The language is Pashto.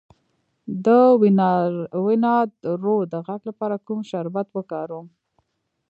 د وینادرو د غږ لپاره کوم شربت وکاروم؟